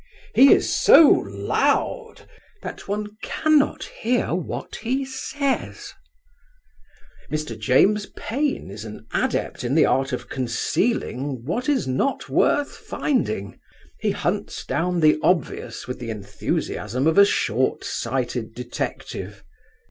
He is so loud that one cannot bear what he says. Mr. James Payn is an adept in the art of concealing what is not worth finding. He hunts down the obvious with the enthusiasm of a short sighted detective.